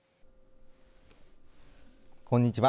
こんにちは。